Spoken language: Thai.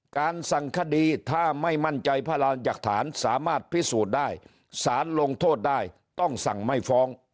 การสั่งคดีถ้าไม่มั่นใจพระราณจากฐานสามารถพิสูจน์ได้สารลงโทษได้ต้องสั่งไม่ฟ้อง